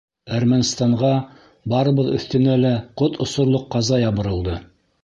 —...Әрмәнстанға, барыбыҙ өҫтөнә лә ҡот осорлоҡ ҡаза ябырылды.